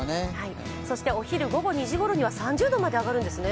そしてお昼、午後２時ごろには３０度まで上がるんですね。